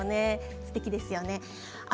すてきですよね。